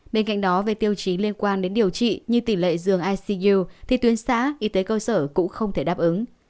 bên cạnh đó về tiêu chí liên quan đến điều trị như tỷ lệ dường icu thì tuyến xã y tế cơ sở cũng không thể đáp ứng